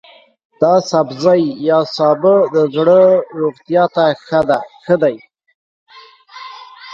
دا سبزی د زړه روغتیا ته ښه دی.